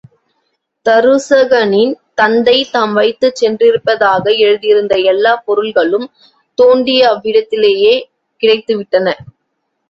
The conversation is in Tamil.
தருசகனின் தந்தை தாம் வைத்துச் சென்றிருப்பதாக எழுதியிருந்த எல்லாப் பொருள்களும் தோண்டிய அவ்விடத்திலேயே கிடைத்துவிட்டன.